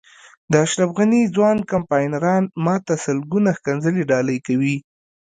د اشرف غني ځوان کمپاینران ما ته سلګونه ښکنځلې ډالۍ کوي.